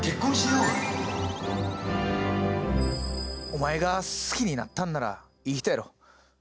お前が好きになったんならいい人やろ。